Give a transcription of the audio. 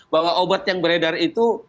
bahwa obat yang beredar itu